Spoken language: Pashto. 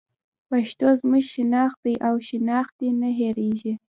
پښتو زموږ شناخت دی او شناخت دې نه هېرېږي.